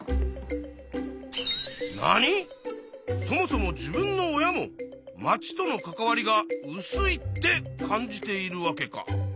そもそも自分の親も町との関わりがうすいって感じているわけか。